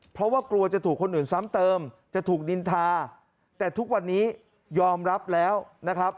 เพราะว่ากลัวจะถูกคนอื่นซ้ำเติมจะถูกนินทาแต่ทุกวันนี้ยอมรับแล้วนะครับ